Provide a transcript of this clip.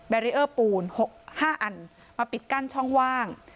รีเออร์ปูน๕อันมาปิดกั้นช่องว่าง